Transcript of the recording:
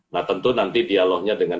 nah tentu nanti dialognya dengan